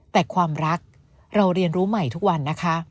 แต่ความรักเราเรียนรู้ใหม่ทุกวันนะคะ